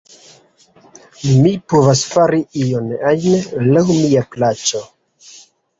Mi povas fari ion ajn, laŭ mia plaĉo.